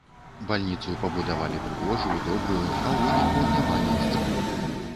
Бальніцу пабудавалі прыгожую, добрую, а ў выніку няма месцаў.